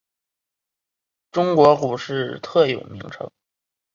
中国股市特有名称。